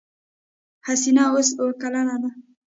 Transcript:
حسينه اوس اوه کلنه ده.